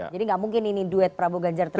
jadi nggak mungkin ini duet prabowo ganjar terjadi